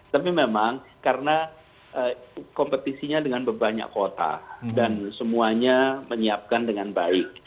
tapi memang karena kompetisinya dengan banyak kota dan semuanya menyiapkan dengan baik